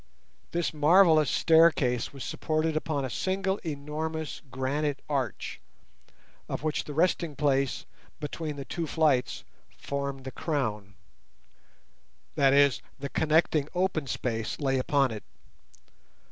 This marvellous staircase was supported upon a single enormous granite arch, of which the resting place between the two flights formed the crown; that is, the connecting open space lay upon it.